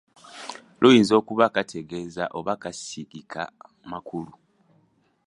Luyinza okuba kategeeza oba kasagika makulu.